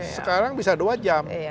sekarang bisa dua jam